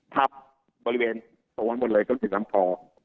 พับบริเวณตรวจน์หมดเลยต้องถึงลำคลอ